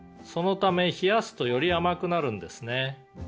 「そのため冷やすとより甘くなるんですね」